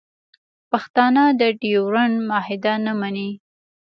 پښتانه د ډیورنډ معاهده نه مني